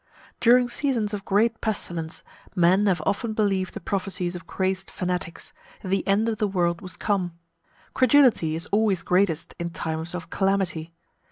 During seasons of great pestilence, men have often believed the prophecies of crazed fanatics, that the end of the world was come. Credulity is always greatest in times of calamity.